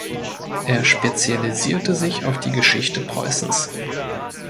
Er spezialisierte sich auf die Geschichte Preußens.